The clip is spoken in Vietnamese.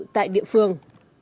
tại địa phương